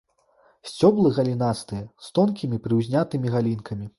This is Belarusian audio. Сцёблы галінастыя, з тонкімі прыўзнятымі галінкамі.